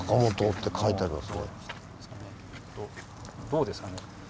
どうですかね？